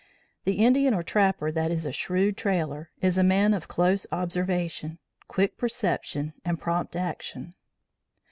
The Indian or trapper that is a shrewd trailer, is a man of close observation, quick perception, and prompt action.